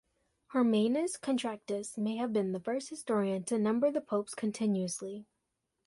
Hermannus Contractus may have been the first historian to number the popes continuously.